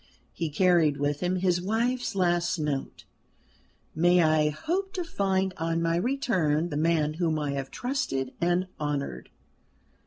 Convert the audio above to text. He carried with him his wife's last note: "May I hope to find on my return the man whom I have trusted and honoured?"